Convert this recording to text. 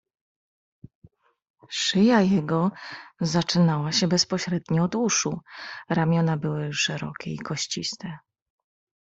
"Szyja jego zaczynała się bezpośrednio od uszu, ramiona były szerokie i kościste."